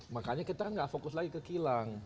makanya kita kan gak fokus lagi ke kilang